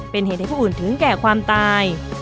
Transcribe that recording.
เป็นเหตุให้ผู้อื่นถึงแก่ความตาย